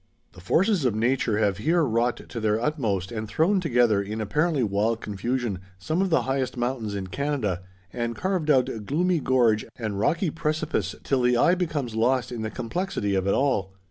The forces of nature have here wrought to their utmost and thrown together in apparently wild confusion some of the highest mountains in Canada and carved out gloomy gorge and rocky precipice till the eye becomes lost in the complexity of it all.